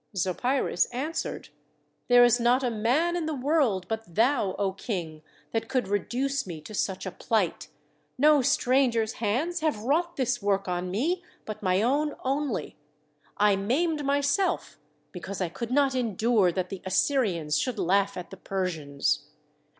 Zopyrus answered, '; There is not a man in the world, but thou, O King, that could reduce me to such a plight no stranger's hands have wrought this work on me, but my own only. I maimed myself because I could not endure that the Assyrians should laugh at the Persians."